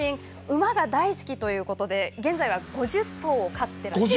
馬が大好きということで現在は５０頭を飼っていると。